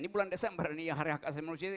ini bulan desember ini hari asal manusia